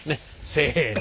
せの。